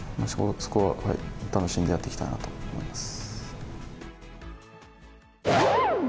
そこは楽しんでやっていきたいなと思います。